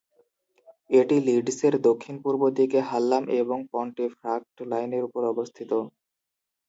এটি লিডসের দক্ষিণ পূর্ব দিকে হাললাম এবং পন্টিফ্রাক্ট লাইনের উপর অবস্থিত।